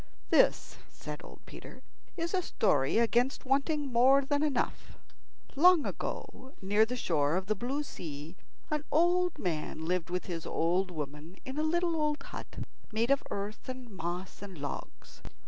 "This," said old Peter, "is a story against wanting more than enough." Long ago, near the shore of the blue sea, an old man lived with his old woman in a little old hut made of earth and moss and logs.